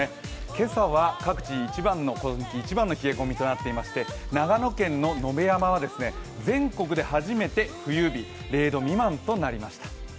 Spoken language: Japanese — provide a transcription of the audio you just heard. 今朝は各地、一番の冷え込みとなっていまして長野県の野辺山は全国で初めて冬日、０度未満となりました。